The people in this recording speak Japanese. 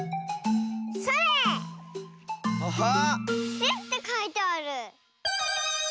「し」ってかいてある。